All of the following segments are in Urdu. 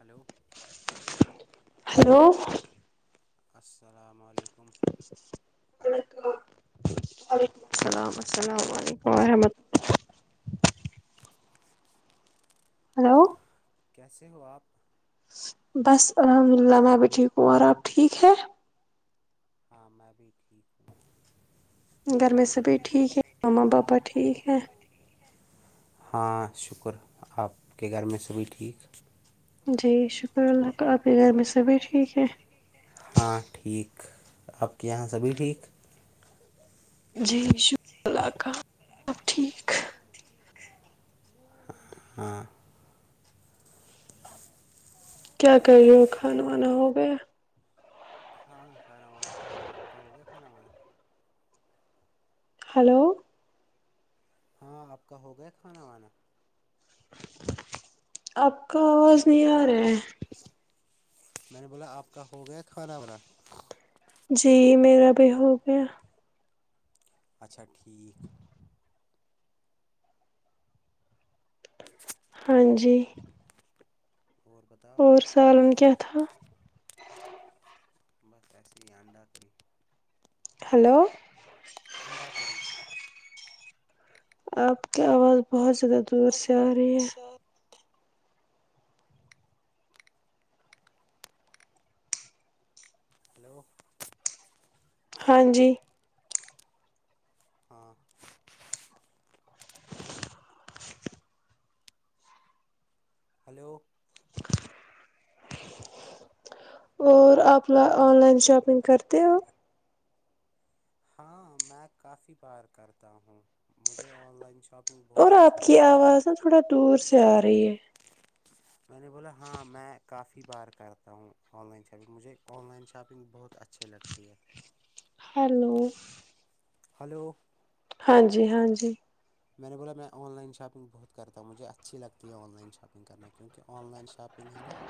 ہلو ہیلو السلام علیکم وعلیکم السلام السلام علیکم ورحمۃ اللہ ہلو کیسے ہو آپ بس الحمد اللہ میں بھی ٹھیک ہوں اور آپ ٹھیک ہے ہاں میں بھی ٹھیک ہوں گھر میں سبھی ٹھیک ہے ماما پاپا ٹھیک ہے ہاں شکر آپ کے گھر میں سبھی ٹھیک جی شکر اللہ کا آپ کے گھر میں سے بھی ٹھیک ہے ہاں ٹھیک آپ کے یہاں سبھی ٹھیک جی شک اللہ کا ملب ٹھیک ہاں کیا کری ہو کھانا وانا ہو گیا کھان کاا روانہ ہو گیا آپ کا ہو گیا کھانا کانا ہلو ہاں آپ کا ہو گیا کھانا وانا آپ کا آواز نہیں آ رہا ہے میں نے بولا آپ کا ہو گیا کھانا با جی میرا بھی ہو گیا اچھا ٹھیک ہاں جی اور بتا اور سالن کیا تھا بس ایسی ہی انانڈا تھی ہلو اننڈاکری آپ کی آواز بہت زیادہ دور سے آہی ہے ہیلو ہاں جی ہاں ہلو اور آپ آن لائن شاپنگ کرتے ہو ہاں میں کافی بار کرتا ہوں مجھے آن لائن شاپ اور آپ کی آواز نا تھوڑا دور سے آ رہی ہے میں نے بولا ہاں میں کافی بار کرتا ہوں آن لائن شاپنگ مجھے آن لائن شاپنگ بہت اچھی لگتی ہے ہیلو ہلو ہاں جی ہاں جی میں نے بولا میں آن لائن شاپنگ بہت کرتا ہوں مجھے اچھی لگتی ہے آن لائن شاپنگ کرنا کیونکہ آن لائن شاپنگ ہے نا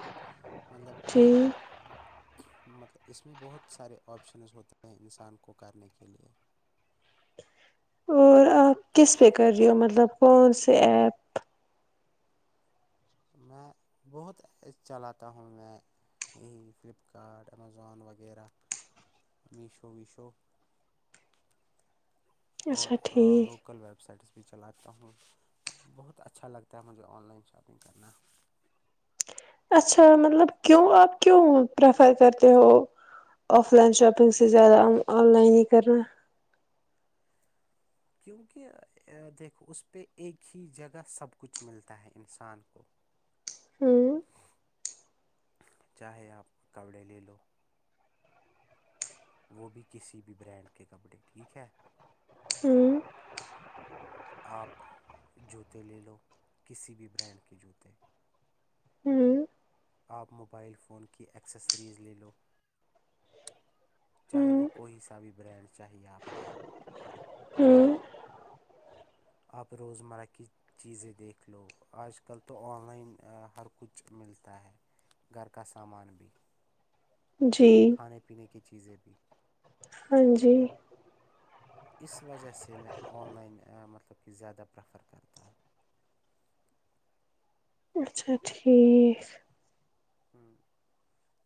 مطلب کہ ٹھیک مطلب اس میں بہت سارے آپشنز ہوتے ہیں انسان کو کرنے کے لیے اور آپ کس پہ کر رہی ہو مطلب کون سے ایپ میں بہت چلاتا ہوں میں یہی فلپ کارٹ امیزون وغیرہ میشو ویشو اور اچھا ٹھیک لوکل وب ویب سائٹس بھی چلاتا ہوں بہت اچھا لگتا ہے مجھے آن لائن شاپنگ کرنا اچھا مطلب کیوں آپ کیوں پریفر کرتے ہو آف لائن شاپنگ سے زیادہ آن لائن ہی کرنا کیونکہ دیکھو اس پہ ایک ہی جگہ سب کچھ ملتا ہے انسان کو [unintelligible] ہوں چاہے آپ کپڑے لے لو وہ بھی کسی بھی برانڈ کے کپڑے ٹھیک ہے ہوں آپ جوتے لے لو کسی بھی برانڈ کے جوتے ہوں آپ موبائل فون کی ایکسیسریز لے لو چاہے ہوں وہ کوئی سا بھی برانڈ چاہئے آپ کو ہوں آپ روزمرہ کی چیزیں دیکھ لو آج کل تو آن لائن ہر کچھ ملتا ہے گھر کا سامان بھی جی کھانے پینے کی چیزیں بھی ہاں جی اس وجہ سے میں آن لائن مطلب کہ زیادہ پریفر کرتا ہوں اچھا ٹھیک ہوں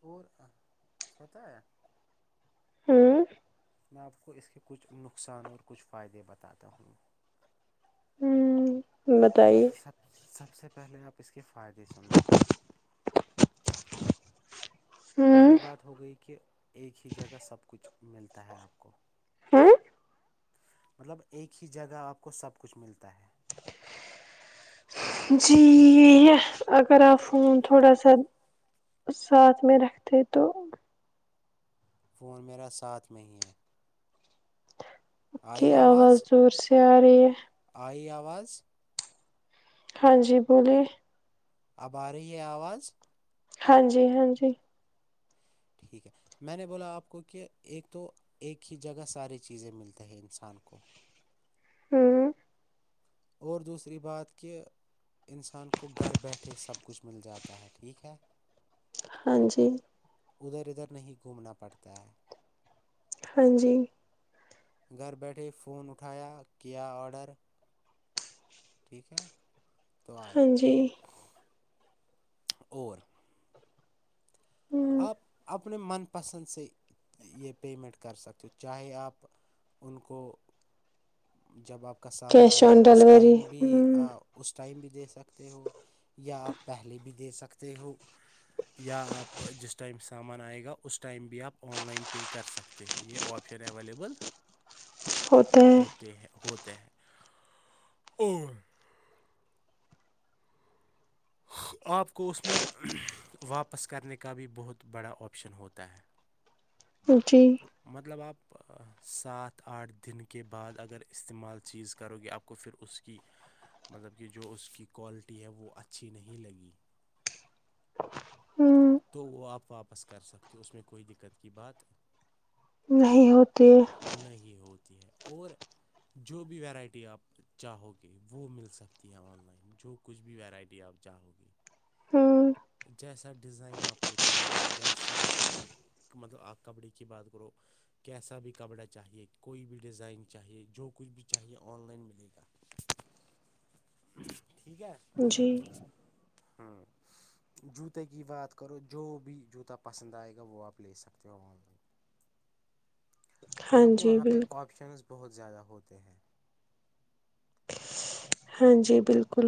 اور، ہوتا ہے- ہوں- میں آپ کو اس کے کچھ نقصان اور کچھ فائدے بتاتا ہوں- ہوں بتائیے? سب سب سے پہلے آپ اس کے فائدے سن لو- ہوں پہلی بات ہو گئی کہ ایک ہی جگہ سب کچھ ملتا ہے آپ کو- ہاں- مطلب ایک ہی جگہ آپ کو سب کچھ ملتا ہے- جی اگر آپ فون تھوڑا سا- ساتھ میں رکھتے تو فون میرا ساتھ میں ہی ہے- کی آواز دور سے آ رہی ہے? آئی آواز? ہاں جی بوولے- اب آ رہی ہے آواز? ہاں جی ہاں جی- ٹھیک ہے میں نے بولا آپ کو کہ ایک تو ایک ہی جگہ ساری چیزیں ملتے ہیں انسان کو- ہوں اور دوسری بات کہ- انسان کو گھر بیٹھے سب کچھ مل جاتا ہے ٹھیک ہے- ہاں جی- ادھر ادھر نہیں گھومنا پڑتا ہے- ہاں جی- گھر بیٹھے فون اٹھایا کیا آرڈر- ٹھیک ہے تو آئے ہاں گ ٹھیک جی ہے, اور- ہوں آپ اپنے من پسند سے یہ پیمنٹ کر سکتے ہو چاہے آپ- ان کو جب آپ سامعین کیش آئےگا آن یوز ڈیلیوری ٹائم بھی ہوں اس ٹائم بھی دے سکتے ہو- یا آپ پہلے بھی دے سکتے ہو یا آپ- جس ٹائم سامان آئے گا اس ٹائم بھی آپ آن لائن پے کر سکتے ہو یہ آپشن اویلیبل- [inaudible] ہوتے ہیں- ہیں ہوتا ہے، اور- آپ کو اس میں واپس کرنے کا بھی بہت بڑا آپشن ہوتا ہے- جی مطلب آپ سات آٹھ دن کے بعد اگر استعمال چیز کرو گے آپ- کو پھر اس کی مطلب کہ جو اس کی کوالٹی ہے وہ اچھی نہیں لگی- ہوں تو وہ آپ واپس کر سکتے ہو اس میں کوئی دقت کی بات- یہ ہوتے- نہیں ہوتی ہے اور جو بھی ورائٹی آپ چاہو گے وہ مل سکتی ہے آن لائن- جو کچھ بھی یرائٹی آپ چاہو گی- ہوں جیسا ڈیزائن آپ کو چاہیے جیسا- مطلب آپ کبڈی کی بات کرو- کیسا بھی کپڑا چاہیے کوئی بھی ڈیزائن چاہیے جو کچھ بھی چاہیے آن لائن ملے گا ٹھیک ہے جی ہمم جوتے کی بات کرو جو بھی جوتا پسند آئے گا وہ آپ لے سکتے ہو آن لائن ہاں مطلب کہ جی وہاں پہ بالکل آپشنز بہت زیادہ ہوتے ہیں ہاں جی بالکل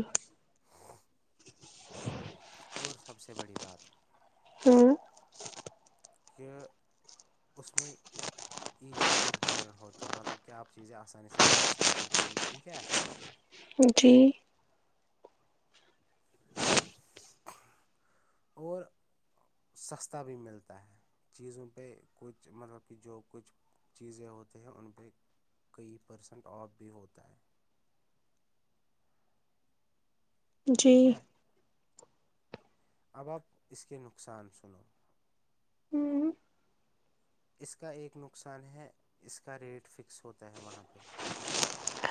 اور سب سے بڑی بات ہمم کہ اس میں ایزی ٹو ریٹرن ہوتا ہے مطلب کہ آپ چیزیں آسانی سے واپس کر سکتے ہو ٹھیک ہے جی اور سستا بھی ملتا ہے چیزوں پہ کچھ مطلب کہ جو کچھ چیزیں ہوتے ہیں ان پہ کئی پرسینٹ آف بھی ہوتا ہے جی ٹھیک ہے اب اب اس کے نقصان سنو ہمم اس کا ایک نقصان ہے اس کا ریٹ فکس ہوتا ہے وہاں پہ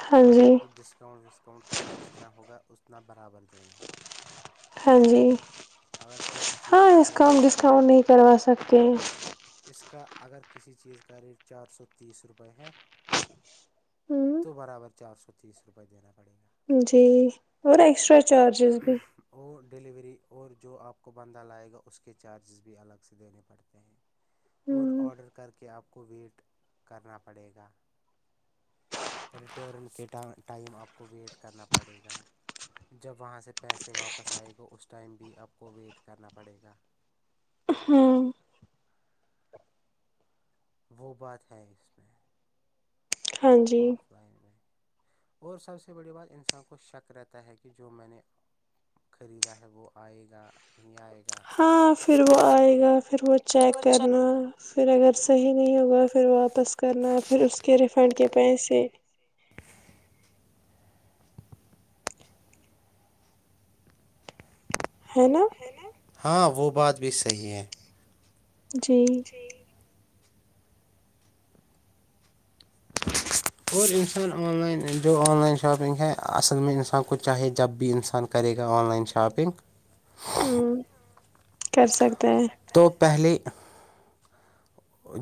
ہاں جی مطلب کہ ڈسکاؤنٹ وسکاؤنٹ کر کے جتنا ہوگا اتنا برابر دینا ہے ہاں جی اگر کسی چیز کا ریٹ کؤنٹ ڈسکاؤنٹ نہیں کروا سکتے ہیں اس کا اگر کسی چیز کا ریٹ چار سو تیس روپئے ہے تو ہ برابر چار سو تیس روپئے دینا پڑے گا جی اور ایکسٹرا چارجز بھی اور ڈلیوری اور جو آپ کو بندہ لائے گا اس کے چارجز بھی الگ سے دینے پڑتے اور آڈر کر کے آپ کو ویٹ کرنا پڑے گا ریٹرن کے ٹائم آپ کو ویٹ کرنا پڑے گا جب وہاں سے پیسے واپس آئے گا اس ٹائم بھی آپ کو ویٹ کرنا پڑے گا ہمم وہ بات ہے اس میں ہاں جی آف میں اور سب سے بڑی بات انسان کو شک رہتا ہے کہ جو میں نے خریدا ہے وہ آئے گا نہیں آئے گا ہاں پھر وہ آئے گا پھر وہ چیک کرنا پھر اگر صحیح نہیں ہوگا پھر واپس کرنا پھر اس کے ریفنڈ کے پیسے ہے نا ہاں وہ بات بھی صحیح ہے جی اور انسان آن لائن جو آن لائن شاپنگ ہے اصل میں انسان کو چاہے جب بھی انسان کرے گا آن لائن شاپنگ ہمم کر سکتے ہیں تو پہلے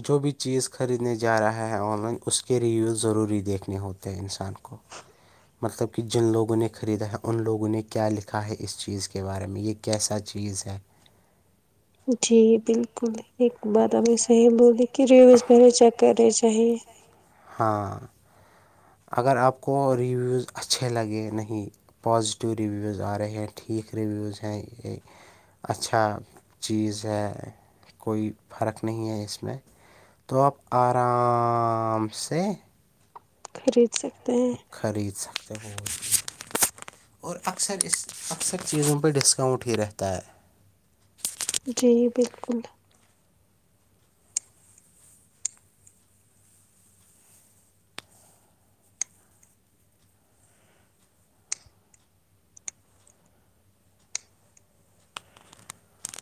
جو بھی چیز خریدنے جا رہا ہے آن لائن اس کے ریویو ضروری دیکھنے ہوتے ہیں انسان کو مطلب کہ جن لوگوں نے خریدا ہے ان لوگوں نے کیا لکھا ہے اس چیز کے بارے میں یہ کیسا چیز ہے جی بالکل ایک بات ابھی صحیح بولی کہ ریویوز پہلے چیک کرنے چاہیے ہاں اگر آپ کو ریویوز اچھے لگے نہیں پازیٹیو ریویوز آ رہے ہیں ٹھیک ریویوز ہیں یہ اچھا چیز ہے کوئی فرق نہیں ہے اس میں تو آپ آرام سے خرید سکتے ہیں خرید سکتے ہ اور اکثر اس اکثر چیزوں پہ ڈسکاؤنٹ ہی رہتا ہے جی بالکل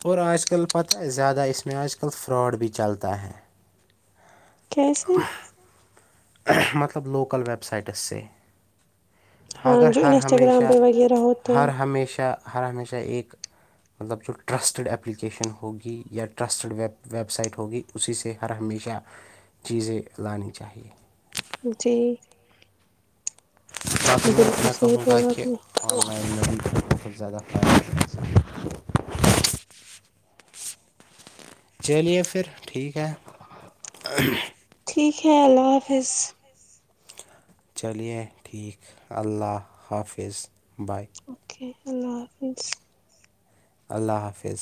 اور آج کل پت زیادہ اس میں آج کل فراڈ بھی چلتا ہے کیسے مطلب لوکل ویب سائٹس سے ہاں اگر جو ہر انسٹاگرام ہمیشہ پہ وغیرہ ہوتے ہر ہیں ہمیشہ ہر ہمیشہ ایک مطلب جو ٹرسٹڈ اپلیکیشن ہوگی یا ٹرسٹڈ ویب ویب سائٹ ہوگی اسی سے ہر ہمیشہ چیزیں لانی چاہیے جی میں بالکل میں صحیح کہوں گا بولا آپ کہ نے آن لائن میںنگ بہت زیادہ فائدق چلیے پھر ٹھیک ہے ٹھیک ہے اللہ حافظ چلیے ٹھیک اللہ حافظ بائے اوکے اللہ حافظ اللہ حافظ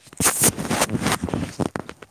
السلام علیکم محترم بھائی جان آپ کو